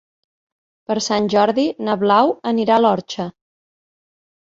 Per Sant Jordi na Blau anirà a l'Orxa.